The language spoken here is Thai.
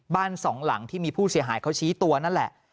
บ้านสองหลังที่มีผู้เสียหายเขาชี้ตัวนั่นแหละ